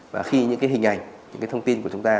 và khi những cái hình ảnh những cái thông tin của chúng ta